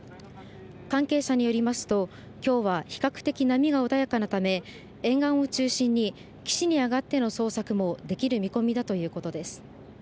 関係者によりますと、きょうは比較的波が穏やかなため、沿岸を中心に、岸に上がっての捜索もできる見込みだということです。